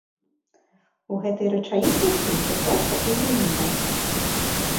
У гэтай рэчаіснасці ўсё проста і зразумела.